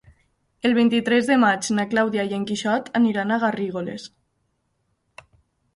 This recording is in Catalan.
El vint-i-tres de maig na Clàudia i en Quixot aniran a Garrigoles.